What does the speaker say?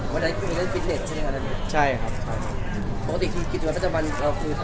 ไม่ใช่อยู่สักการณ์เท่านั้น